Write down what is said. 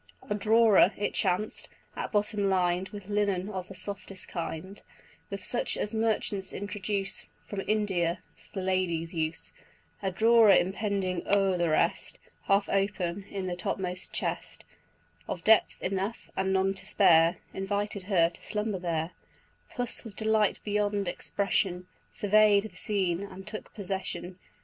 A drawer, it chanced, at bottom lined With linen of the softest kind, With such as merchants introduce From India, for the ladies' use, A drawer impending o'er the rest, Half open in the topmost chest, Of depth enough, and none to spare, Invited her to slumber there; Puss with delight beyond expression, Survey'd the scene, and took possession.